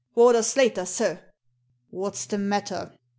"Warder Slater, sir." ''What's the matter?"